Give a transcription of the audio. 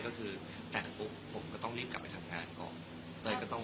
ก็คือแต่ปุ๊บผมก็ต้องรีบกลับไปทำงานก่อน